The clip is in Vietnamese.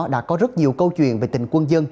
đã có rất nhiều câu chuyện về tình quân dân